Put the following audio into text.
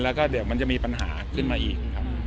แล้วก็เดี๋ยวมันจะมีปัญหาขึ้นมาอีกครับ